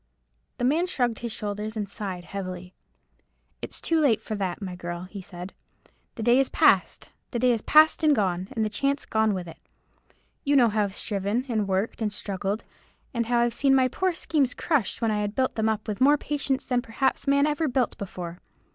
The man shrugged his shoulders, and sighed heavily. "It's too late for that, my girl," he said; "the day is past—the day is past and gone—and the chance gone with it. You know how I've striven, and worked, and struggled; and how I've seen my poor schemes crushed when I had built them up with more patience than perhaps man ever built before.